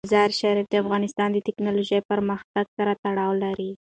مزارشریف د افغانستان د تکنالوژۍ پرمختګ سره تړاو لري.